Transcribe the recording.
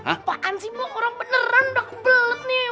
apaan sih bang orang beneran udah kebelet nih